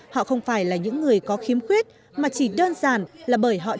họ không phải là những người có khiếm khuyết mà chỉ đơn giản là bởi họ chú ý